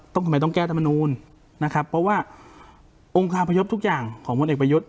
ทำไมต้องแก้ธรรมนูลนะครับเพราะว่าองค์คาพยพทุกอย่างของพลเอกประยุทธ์